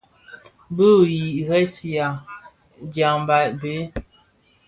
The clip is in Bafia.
Bu i resihà dyangdyag béé.